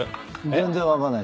「全然分かんない」？